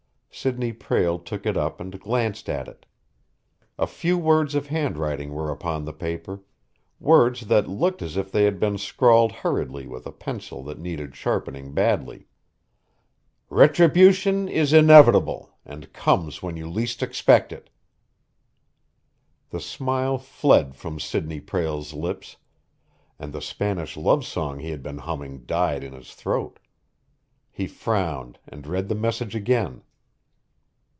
Sidney Prale took it up and glanced at it. A few words of handwriting were upon the paper, words that looked as if they had been scrawled hurriedly with a pencil that needed sharpening badly. "Retribution is inevitable and comes when you least expect it." The smile fled from Sidney Prale's lips, and the Spanish love song he had been humming died in his throat. He frowned, and read the message again.